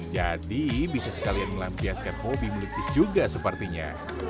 jadi bisa sekalian melampiaskan hobi melukis juga sepertinya